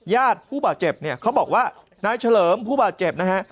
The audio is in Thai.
ญาติผู้บาดเจ็บเนี่ยเขาบอกว่านายเฉลิมผู้บาดเจ็บนะฮะ